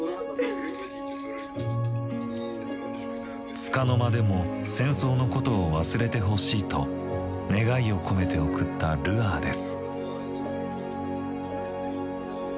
つかの間でも戦争のことを忘れてほしいと願いを込めて送ったルアーです。